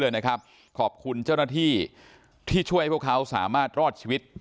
เลยนะครับขอบคุณเจ้าหน้าที่ที่ช่วยให้พวกเขาสามารถรอดชีวิต